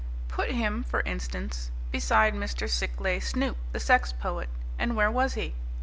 Put him, for instance, beside Mr. Sikleigh Snoop, the sex poet, and where was he?